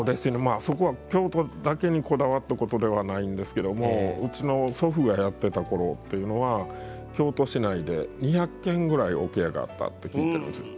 そこは京都だけにこだわったことではないんですけどもうちの祖父がやってたころというのは京都市内で２００軒ぐらい桶屋があったって聞いてるんです。